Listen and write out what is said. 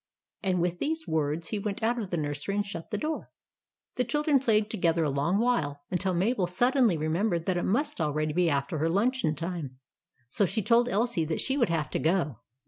And with these words he went out of the nursery and shut the door. The children played together a long while, until Mabel suddenly remembered that it must already be after her luncheon time, so she told Elsie that she would have to go.